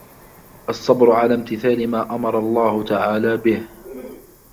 الصَّبْرُ عَلَى امْتِثَالِ مَا أَمَرَ اللَّهُ تَعَالَى بِهِ